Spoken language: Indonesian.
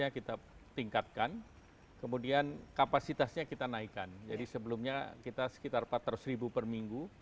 kita naikkan kemudian kapasitasnya kita naikkan jadi sebelumnya kita sekitar empat ratus perminggu